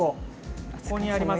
ここにあります